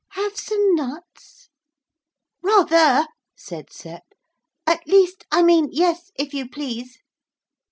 Have some nuts?' 'Rather,' said Sep. 'At least I mean, yes, if you please.'